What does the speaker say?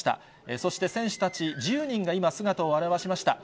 そして選手たち１０人が今、姿を現しました。